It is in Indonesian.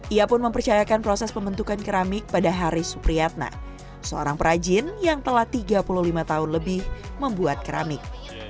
ia pun mempercayakan proses pembentukan keramik pada haris supriyatna seorang perajin yang telah tiga puluh lima tahun lebih membuat keramik